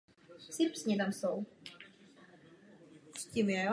Přestavba na letadlovou loď měla jen omezený rozsah.